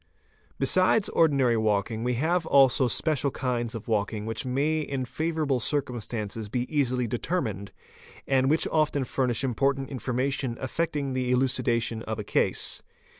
7 Besides ordinary walking we have also special kinds of walking which _ may in favourable circumstances be easily determined, and which often 526 FOOTPRINTS furnish important information affecting the elucidation of a case.